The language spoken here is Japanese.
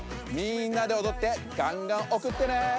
みんなでおどってがんがんおくってね！